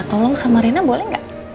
minta tolong sama rena boleh gak